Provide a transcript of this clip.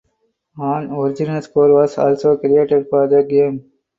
An original score was also created for the game.